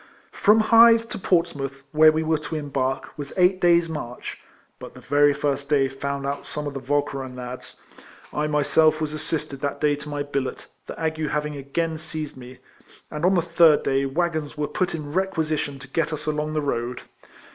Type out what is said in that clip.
From Hythe to Portsmouth, where we were to embark, was eight days' march; but the very first day found out some of the Walcheren lads. I myself was assisted that night to my billet, the ague having again seized me, and on the third day waggon^ N 266 RECOLLECTIONS OF ■svere put in requisition to get us along the road.